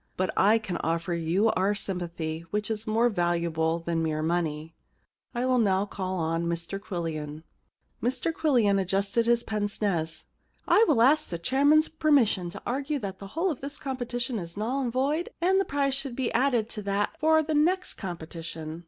* But I can offer you our sympathy, which is more valuable than mere money, I will now call upon Mr Quillian.' Mr Quillian adjusted his pince nez. * I will ask the chairman's permission to argue that the whole of this competition is null and void, and that the prize should be added to that for the next competition.'